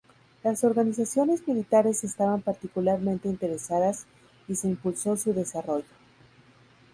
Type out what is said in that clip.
Las organizaciones militares estaban particularmente interesadas y se impulsó su desarrollo.